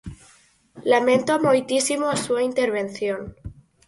Lamento moitísimo a súa intervención.